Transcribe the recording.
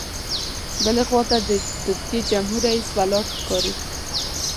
بلې خوا ته د ترکیې جمهور رئیس ولاړ ښکارېد.